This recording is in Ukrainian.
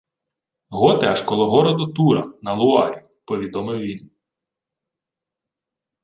— Готи аж коло городу Тура на Луарі, — повідомив він.